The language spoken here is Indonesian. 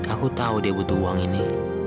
aku tahu dia butuh uang ini